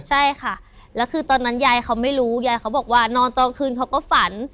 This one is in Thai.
ใช่ค่ะแล้วคือตอนนั้นยายเขาไม่รู้ยายเขาบอกว่านอนตอนคืนเขาก็ฝัน